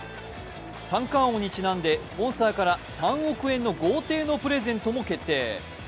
三冠王にちなんで、スポンサーから３億円の豪邸のプレゼントも決定。